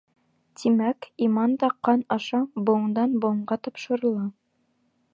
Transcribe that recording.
Тимәк, иман да ҡан аша быуындан быуынға тапшырыла.